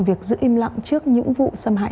việc giữ im lặng trước những vụ xâm hại